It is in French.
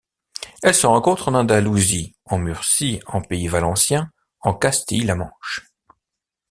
Elle se rencontre en Andalousie, en Murcie, en Pays valencien, en Castille-La Manche.